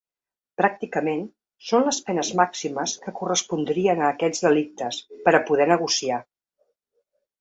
Pràcticament, són les penes màximes que correspondrien a aquests delictes, per a poder negociar.